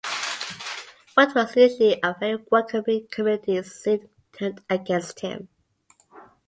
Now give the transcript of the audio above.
What was initially a very welcoming community, soon turned against him.